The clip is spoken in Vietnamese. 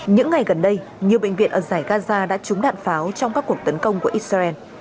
những ngày gần đây nhiều bệnh viện ở giải gaza đã trúng đạn pháo trong các cuộc tấn công của israel